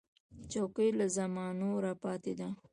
چوکۍ له زمانو راپاتې ده.